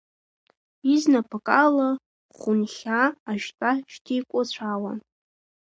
Изнапык ала хәынхьаа ашьтәа шьҭикәыцәаауан.